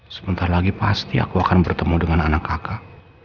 sebentar lagi pasti aku akan bertemu dengan anak kakak